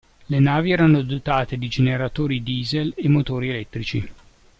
Le navi erano dotate di generatori diesel e motori elettrici.